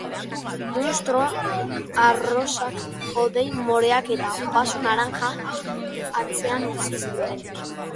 Munstro arrosak hodei moreak eta baso naranja atzean utzi zituen.